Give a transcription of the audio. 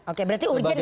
oke berarti urgent ya